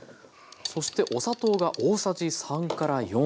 そしてお砂糖が大さじ３４。